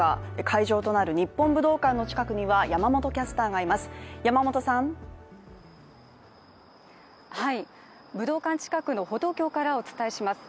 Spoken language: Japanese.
会場となる日本武道館の近くには山本キャスターがいます。